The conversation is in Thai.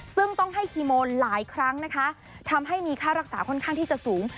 ซึ่งต้องให้คีโมนหลายครั้งนะคะทำให้มีค่ารักษาค่อนข้างที่จะสูง